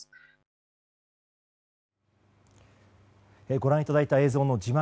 ご覧いただいた映像の字幕